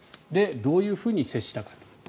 どういうふうに接したか。